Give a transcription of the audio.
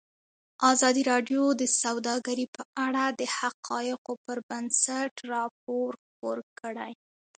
ازادي راډیو د سوداګري په اړه د حقایقو پر بنسټ راپور خپور کړی.